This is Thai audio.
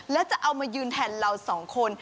แล้วจะเอามายืนแทนเราสองคน